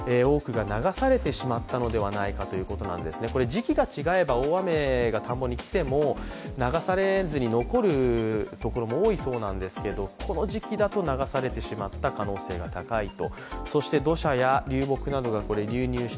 時期が違えば大雨が田んぼに来ても流されずに残るところも多いそうなんですけれども、この時期だと流されてしまった可能性が高いと。